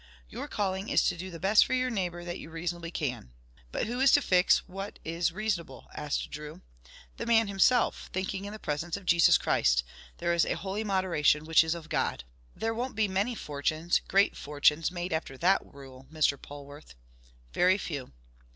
Your calling is to do the best for your neighbour that you reasonably can." "But who is to fix what is reasonable?" asked Drew. "The man himself, thinking in the presence of Jesus Christ. There is a holy moderation which is of God." "There won't be many fortunes great fortunes made after that rule, Mr. Polwarth." "Very few."